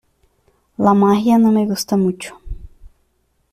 La magia no me gusta mucho.